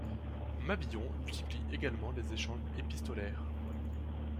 Mabillon multiplie également les échanges épistolaires.